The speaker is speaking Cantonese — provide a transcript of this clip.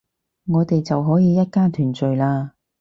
我哋就可以一家團聚喇